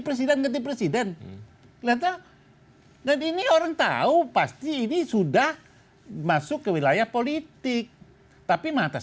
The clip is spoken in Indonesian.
presiden ganti presiden lihatlah dan ini orang tahu pasti ini sudah masuk ke wilayah politik tapi mata